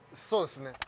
そうですね。